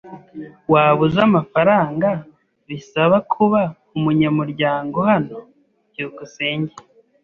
Waba uzi amafaranga bisaba kuba umunyamuryango hano? byukusenge